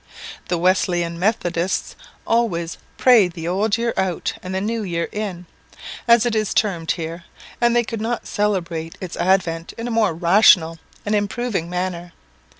The Wesleyan Methodists always "pray the old year out and the new year in," as it is termed here, and they could not celebrate its advent in a more rational and improving manner.